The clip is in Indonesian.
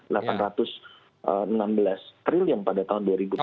rp delapan ratus enam belas triliun pada tahun dua ribu tujuh belas